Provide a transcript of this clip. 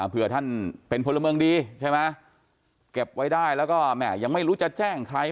เพื่อท่านเป็นพลเมืองดีใช่ไหมเก็บไว้ได้แล้วก็แม่ยังไม่รู้จะแจ้งใคร